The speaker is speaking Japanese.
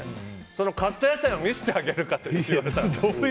そのカット野菜を見せてあげるからって。